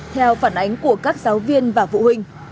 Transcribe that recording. theo phản ánh của các giáo viên và phụ huynh